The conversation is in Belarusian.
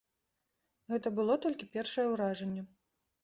Гэта было толькі першае ўражанне.